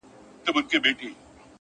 o څنگ ته چي زه درغــــلـم ـ